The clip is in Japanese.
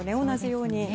同じように。